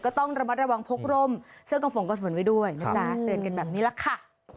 ก็ต้องระมัดระวังพกร่มเสื้อกระฝงกระสุนไว้ด้วยนะจ๊ะเตือนกันแบบนี้แหละค่ะ